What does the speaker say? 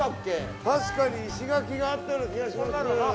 確かに石垣があったような気がしますー。